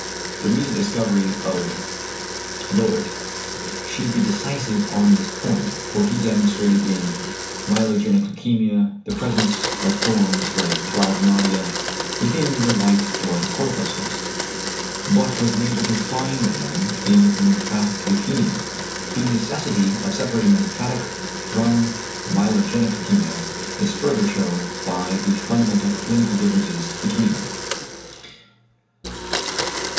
The recent discovery of Löwit should be decisive on this point, for he demonstrated in myelogenic leukæmia the presence of forms like plasmodia within the white blood corpuscles, but was unable to find them in lymphatic leukæmia. The necessity of separating lymphatic from myelogenic leukæmia is further shewn by the fundamental clinical differences between them.